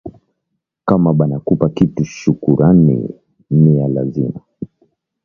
Kama banakupa kitu shukurani niya lazima